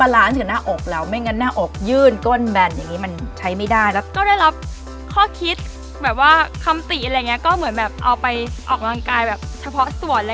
ทารั้นเดี๋ยวหน้าอกเรา